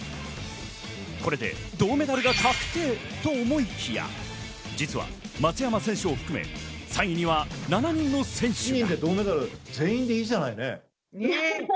これで銅メダルが確定と思いきや、実は松山選手を含め３位には７人の選手が。